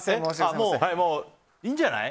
もういいんじゃない？